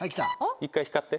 １回光って。